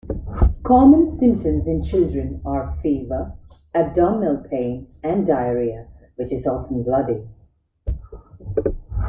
Common symptoms in children are fever, abdominal pain, and diarrhea, which is often bloody.